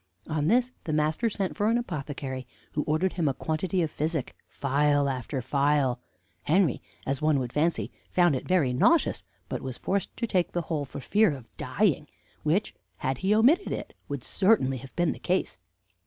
On this, the master sent for an apothecary, who ordered him a quantity of physic, phial after phial. Henry, as one would fancy, found it very nauseous, but was forced to take the whole for fear of dying, which, had he omitted it, would certainly have been the case.